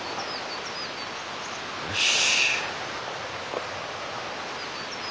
よし。